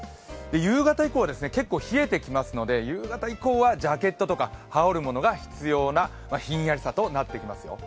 夕方以降は結構冷えてきますので、夕方以降はジャケットとか羽織るものが必要なひんやりさとなってきますよ。